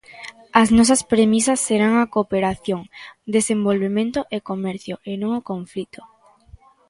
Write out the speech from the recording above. As nosas premisas serán a cooperación, desenvolvemento e comercio e non o conflito.